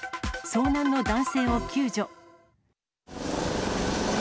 遭難の男性を救助。